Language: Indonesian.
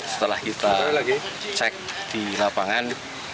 setelah kita cek di lapangan